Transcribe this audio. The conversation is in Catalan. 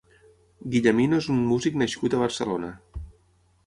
Guillamino és un músic nascut a Barcelona.